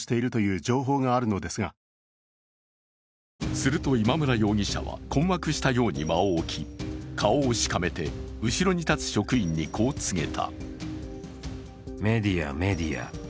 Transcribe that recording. すると今村容疑者は、困惑したように間を置き、顔をしかめて後ろに立つ職員にこう告げた。